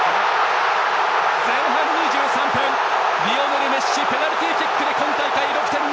前半２３分、リオネル・メッシペナルティーキックで今大会６点目！